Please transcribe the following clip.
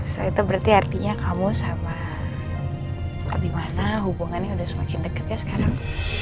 so itu berarti artinya kamu sama pak abimana hubungannya udah semakin deket ya sekarang